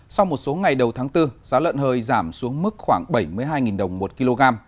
sau một số ngày đầu tháng bốn giá lợn hơi giảm xuống mức khoảng bảy mươi hai đồng một kg